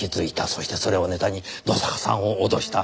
そしてそれをネタに野坂さんを脅した。